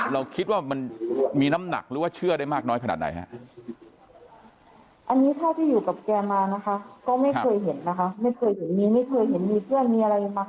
เราคิดว่ามันมีน้ำหนักหรือว่าเชื่อได้มากน้อยขนาดไหนอันนี้ถ้าที่อยู่กับแกมานะคะ